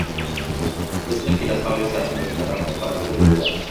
د ځمکې د خاورې ساتنه د زراعت لپاره ضروري ده.